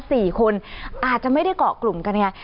สี่คนอาจจะไม่ได้เกาะกลุ่มกันไง